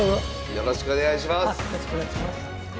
よろしくお願いします。